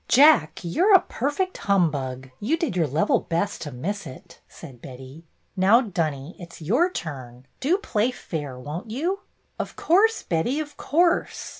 ''Jack, you're a perfect humbug! You did your level 'best' to miss it," said Betty. "Now, Dunny, it 's your turn. Do play fair, won't you ?" "Of course, Betty, of course!"